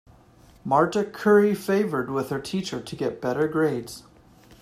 Marta curry favored with her teacher to get better grades.